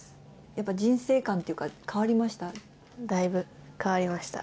やっぱ人生観というか、だいぶ変わりました。